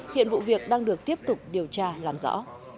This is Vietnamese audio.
hiện vụ việc đang được tiếp tục điều tra làm rõ